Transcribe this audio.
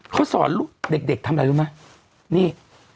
เขาสอนเด็กทำไรรู้ไหม